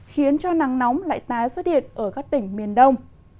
khiến cho nắng nóng lại tái xuất hiện ở các tỉnh miền đông